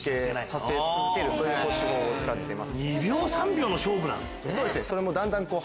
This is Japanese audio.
２秒３秒の勝負なんですね。